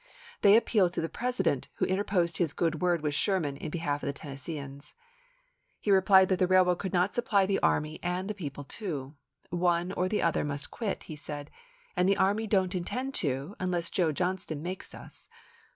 They appealed to the President, who interposed his good word with Sherman in behalf of the Tennesseeans. He replied that the railroad could not supply the army and the people too. " One or the other must quit," he said, "and the army don't intend to, unless Joe John ston makes us."